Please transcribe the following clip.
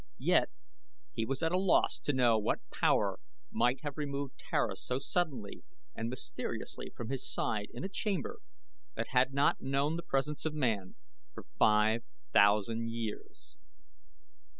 Yet he was at a loss to know what power might have removed Tara so suddenly and mysteriously from his side in a chamber that had not known the presence of man for five thousand years.